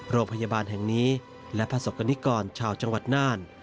โรงพยาบาลแห่งนี้และประสบกรณิกรชาวจังหวัดน่าน